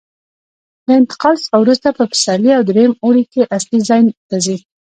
له انتقال څخه وروسته په پسرلي او درېیم اوړي کې اصلي ځای ته ځي.